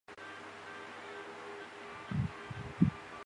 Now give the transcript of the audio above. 狭义的曲则多指宋朝以来的南曲和北曲。